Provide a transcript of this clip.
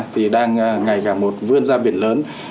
thì đang ngày càng một vươn ra biển lớn